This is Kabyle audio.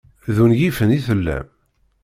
D ungifen i tellam?